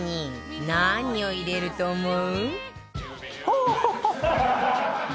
何を入れると思う？